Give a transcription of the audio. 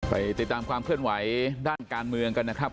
ไปติดตามความเคลื่อนไหวด้านการเมืองกันนะครับ